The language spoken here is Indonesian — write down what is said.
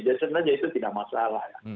sebenarnya itu tidak masalah